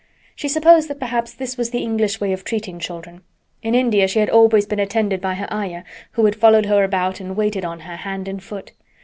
She supposed that perhaps this was the English way of treating children. In India she had always been attended by her Ayah, who had followed her about and waited on her, hand and foot.